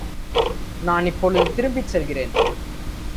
நான் இப்பொழுது திரும்பிச் செல்கிறேன்.